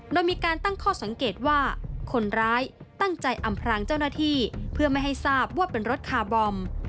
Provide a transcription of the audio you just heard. โดยมีการตั้งข้อสังเกตว่าคนร้ายตั้งใจอำพรางเจ้าหน้าที่เพื่อไม่ให้ทราบว่าเป็นรถคาร์บอม